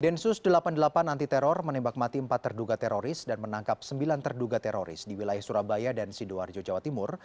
densus delapan puluh delapan anti teror menembak mati empat terduga teroris dan menangkap sembilan terduga teroris di wilayah surabaya dan sidoarjo jawa timur